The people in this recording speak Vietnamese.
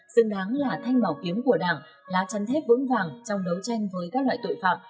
xứng đáng là thanh màu kiếm của đảng lá chăn thép vững vàng trong đấu tranh với các loại tội phạm